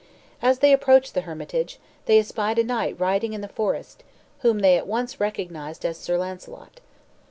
As they approached the hermitage, they espied a knight riding in the forest, whom they at once recognized as Sir Launcelot.